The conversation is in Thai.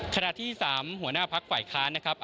ขณะที่๓หัวหน้าภักษ์ไขว้ค้านนะครับ